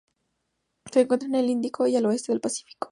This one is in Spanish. Se encuentra en el Índico y el oeste del Pacífico.